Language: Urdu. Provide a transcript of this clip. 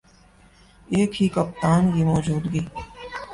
ایک ہی کپتان کی موجودگی